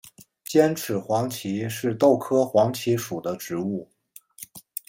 尖齿黄耆是豆科黄芪属的植物。